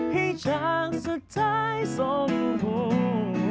ให้ช่างสุดท้ายสมบูรณ์